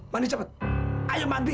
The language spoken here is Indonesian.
mandi cepet ayo mandi